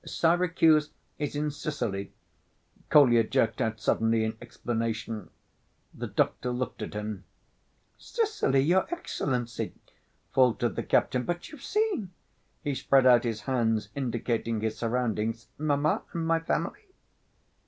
"Syracuse is in Sicily," Kolya jerked out suddenly in explanation. The doctor looked at him. "Sicily! your Excellency," faltered the captain, "but you've seen"—he spread out his hands, indicating his surroundings—"mamma and my family?"